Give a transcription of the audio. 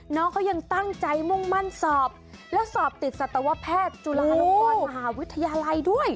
น้องเขายังตั้งใจมุ่งมั่นสอบแล้วสอบติดสัตวแพทย์จุฬาลงกรมหาวิทยาลัยด้วย